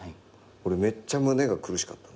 俺めっちゃ胸が苦しかったの。